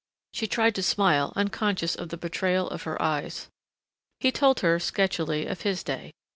She tried to smile, unconscious of the betrayal of her eyes. He told her, sketchily, of his day.